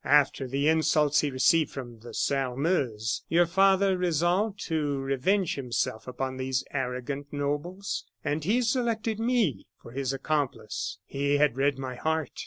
"After the insults he received from the Sairmeuse, your father resolved to revenge himself upon these arrogant nobles, and he selected me for his accomplice. He had read my heart.